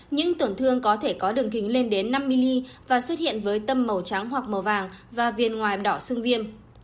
nhưng tổn thương có thể có đường kính lên đến năm mm và xuất hiện với tâm màu trắng hoặc màu vàng và viên ngoài đỏ xương viêm